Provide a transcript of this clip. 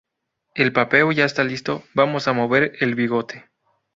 El papeo ya está listo. Vamos a mover el bigote